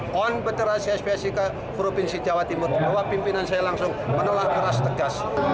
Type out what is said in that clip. konfederasi spsi ke provinsi jawa timur bahwa pimpinan saya langsung menolak keras tegas